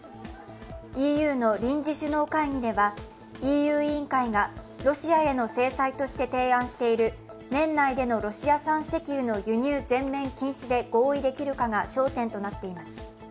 ＥＵの臨時首脳会議ではＥＵ委員会がロシアへの制裁として提案している年内でのロシア産石油の輸入禁止で合意できるかが焦点となっています。